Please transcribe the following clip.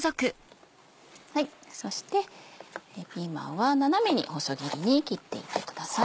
そしてピーマンは斜めに細切りに切っていってください。